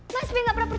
gak diangkat lagi